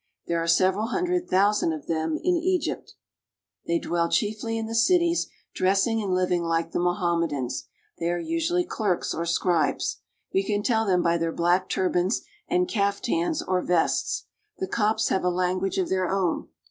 There are several hundred thou sand of them in Egypt. They dwell chiefly in the cities, dressing and living like the Mohammedans. They are usually clerks or scribes. We can tell them by their black turbans and kaftans or vests. The Copts have a language of their own.